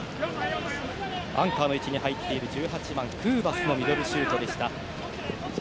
アンカーの位置に入っている１８番、クーバスのミドルシュートでした。